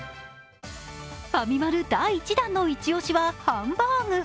ファミマル第１弾のイチオシはハンバーグ。